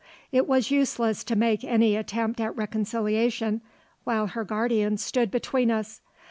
It was useless to make any attempt at reconciliation while her guardian stood between us.